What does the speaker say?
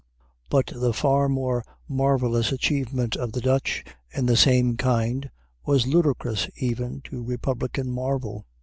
But the far more marvelous achievement of the Dutch in the same kind was ludicrous even to republican Marvell.